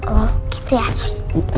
oh gitu ya sus